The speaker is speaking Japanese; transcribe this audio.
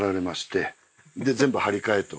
で全部張り替えと。